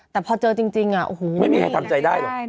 แต่พอเจอจริงโอ้โฮไม่มีไงทำใจได้แล้ว